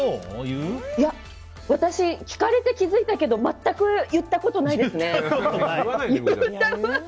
私、聞かれて気づいたけど全く言ったことないですね。